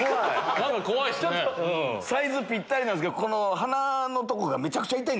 サイズピッタリなんすけど鼻のとこがめちゃくちゃ痛い。